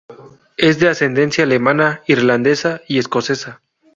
Es de ascendencia alemana, irlandesa, y escocesa.